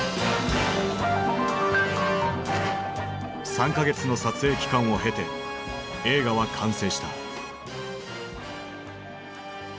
３か月の撮影期間を経て映画は完成した。